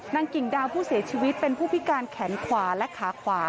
กิ่งดาวผู้เสียชีวิตเป็นผู้พิการแขนขวาและขาขวา